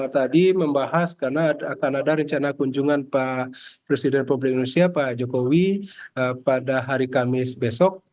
tadi membahas karena akan ada rencana kunjungan pak presiden republik indonesia pak jokowi pada hari kamis besok